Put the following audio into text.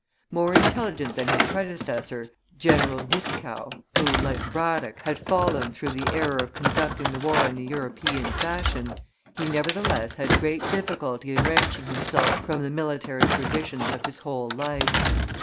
More intelligent than his predecessor, General Dieskau, who, like Braddock, had fallen through the error of conducting the war in the European fashion, he, nevertheless, had great difficulty in wrenching himself from the military traditions of his whole life.